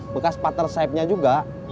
bekas partner saebnya juga